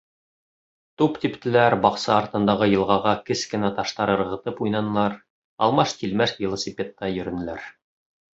Туп типтеләр, баҡса артындағы йылғаға кескенә таштар ырғытып уйнанылар, алмаш-тилмәш велосипедта йөрөнөләр.